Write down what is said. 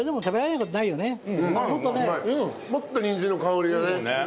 もっとにんじんの香りがね。